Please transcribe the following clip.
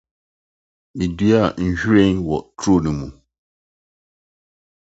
Meduae nhwiren wɔ turo no mu.